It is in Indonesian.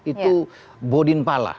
itu bodin pala